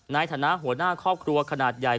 ในฐานะหัวหน้าครอบครัวขนาดใหญ่